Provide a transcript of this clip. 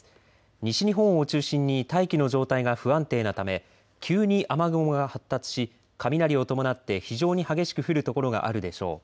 西日本を中心に大気の状態が不安定なため急に雨雲が発達し雷を伴って非常に激しく降る所があるでしょう。